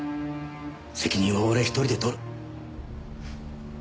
責任は俺一人で取る。